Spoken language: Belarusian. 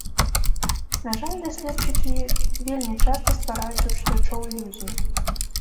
На жаль, даследчыкі вельмі часта ствараюць у чытачоў ілюзіі.